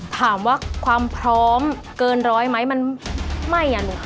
ถามว่าความพร้อมเกินร้อยไหมมันไม่อ่ะหนู